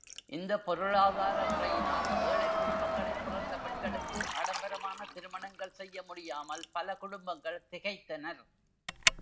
இந்த பொருளாதார முறையினால் ஏழைக் குடும்பங்களில் பிறந்த பெண்களுக்கு ஆடம்பரமான திருமணங்கள் செய்ய முடியாமல் பல குடும்பங்கள் திகைத்தனர்.